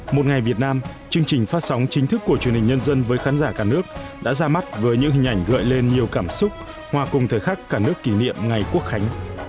một ngày việt nam chương trình phát sóng chính thức của truyền hình nhân dân với khán giả cả nước đã ra mắt với những hình ảnh gợi lên nhiều cảm xúc hòa cùng thời khắc cả nước kỷ niệm ngày quốc khánh